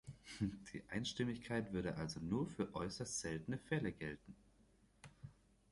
Die Einstimmigkeit würde also nur für äußerst seltene Fälle gelten.